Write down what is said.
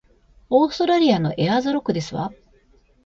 オーストラリアのエアーズロックですわ